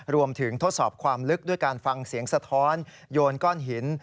ทดสอบความลึกด้วยการฟังเสียงสะท้อนโยนก้อนหิน